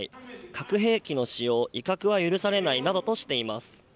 核兵器の使用、威嚇は許されないなどとしています。